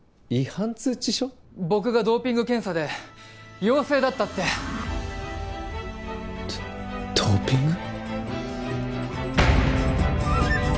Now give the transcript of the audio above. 僕がドーピング検査で陽性だったってドーピング？